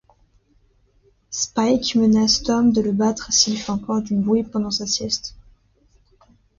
Spike menace Tom de le battre s'il fait encore du bruit pendant sa sieste.